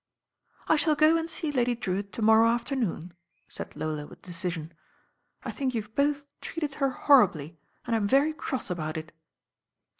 "I shall go and see Lady Drewitt to morrow afternoon," said Lola with decision. "I think you've both treated her horribly, and I'm very cross about it."